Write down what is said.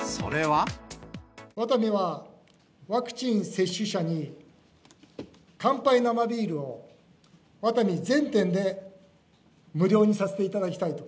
ワタミは、ワクチン接種者に乾杯生ビールをワタミ全店で無料にさせていただきたいと。